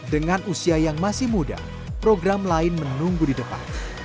dengan usia yang masih muda program lain menunggu di depan